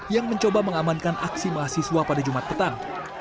yang mencoba mengamankan aksi mahasiswa pada jumat petang